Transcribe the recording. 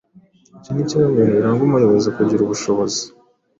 Icyo ni kimwe mu bintu biranga umuyobozi kugira ubushobozi